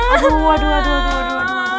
aduh aduh aduh